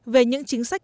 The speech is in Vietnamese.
về những chính sách